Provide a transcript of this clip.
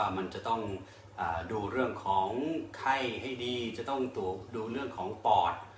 มันจะต้องดูเรื่องของไข้ให้ดีจะต้องดูเรื่องของปอด